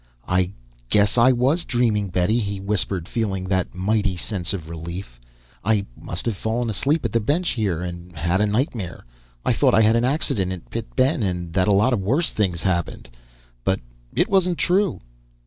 "I guess I was dreaming, Betty," he whispered, feeling that mighty sense of relief. "I must have fallen asleep at the bench, here, and had a nightmare. I thought I had an accident at Pit Bend and that a lot of worse things happened.... But it wasn't true